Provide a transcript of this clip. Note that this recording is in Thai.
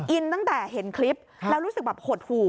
อินตั้งแต่เห็นคลิปแล้วรู้สึกแบบหดหู่